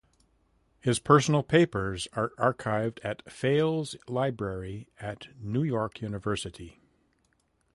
His personal papers are archived at Fales Library at New York University.